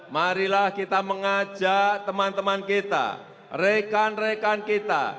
marilah kita mengajak teman teman kita rekan rekan kita